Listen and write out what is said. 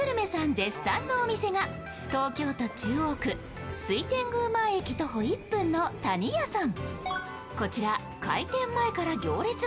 絶賛のお店が東京都中央区水天宮前駅徒歩１分の谷やさん。